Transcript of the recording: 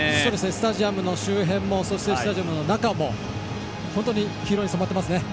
スタジアムの周辺もそして、スタジアムの中も本当に黄色に染まっていますね。